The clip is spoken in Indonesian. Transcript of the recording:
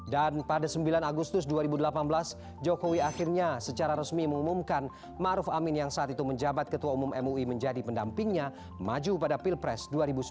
dan pada sembilan agustus dua ribu delapan belas jokowi akhirnya secara resmi mengumumkan ma'ruf amin yang saat itu menjabat ketua umum mui menjadi pendampingnya maju pada pilpres dua ribu sembilan belas